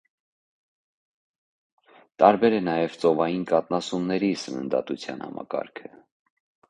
Տարբեր է նաև ծովային կաթնասունների սնդդատության համակարգը։